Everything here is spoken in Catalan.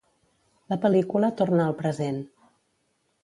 La pel·lícula torna al present.